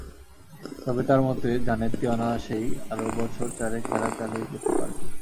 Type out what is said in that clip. তবে তাঁর মতে জানেত্তি অনায়াসেই আরও বছর চারেক খেলা চালিয়ে যেতে পারবেন।